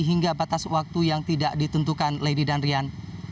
hingga batas waktu yang tidak ditentukan lady dan rian